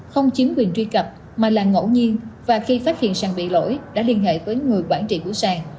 không chiếm quyền truy cập mà là ngẫu nhiên và khi phát hiện sàn bị lỗi đã liên hệ với người quản trị của sàn